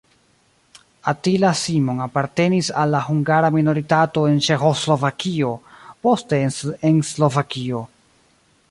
Attila Simon apartenis al la hungara minoritato en Ĉeĥoslovakio, poste en Slovakio.